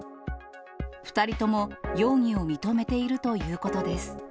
２人とも容疑を認めているということです。